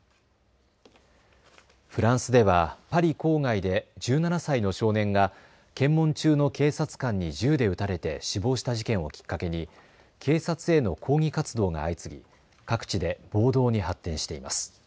フランスではパリ郊外で１７歳の少年が検問中の警察官に銃で撃たれて死亡した事件をきっかけに警察への抗議活動が相次ぎ、各地で暴動に発展しています。